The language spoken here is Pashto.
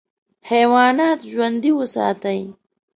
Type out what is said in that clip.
حیوانات ژوندي وساتې.